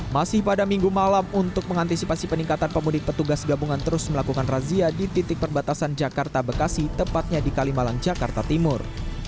masih pada minggu malam untuk mengantisipasi peningkatan pemudik petugas gabungan terus melakukan razia di titik perbatasan jakarta bekasi tepatnya di kalimalang jakarta timur